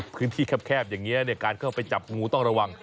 พื้นที่คับแคบอย่างนี้การเข้าไปจับงูต้องระวัง